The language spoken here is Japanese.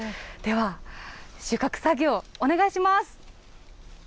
では、収穫作業、お願いします。